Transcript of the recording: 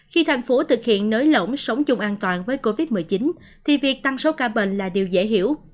khi thành phố thực hiện nới lỏng sống chung an toàn với covid một mươi chín thì việc tăng số ca bệnh là điều dễ hiểu